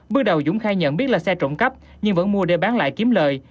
bước đầu dũng khai nhận biết là xe trộm cấp nhưng vẫn mua để bán lại kiếm lợi